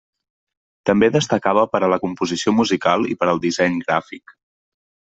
També destacava per a la composició musical i per al disseny gràfic.